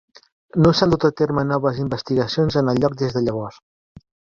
No s'han dut a terme noves investigacions en el lloc des de llavors.